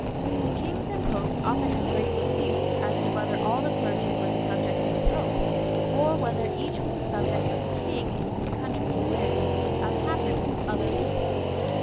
The kings and popes had often had great disputes as to whether all the clergy wer6 the subjects of the Pope, or whether each was the subject ' of the king in whose country he lived, as happens with ( other people.